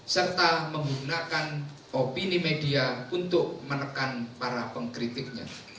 serta menggunakan opini media untuk menekan para pengkritiknya